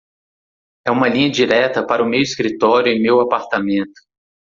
É uma linha direta para o meu escritório e meu apartamento.